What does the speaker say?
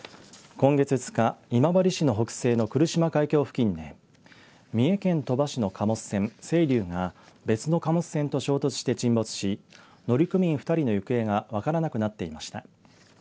今月２日、今治市の北西の来島海峡付近で三重県鳥羽市の貨物船せいりゅうが別の貨物船と衝突して沈没し乗組員２人の行方が分からなくなっていました。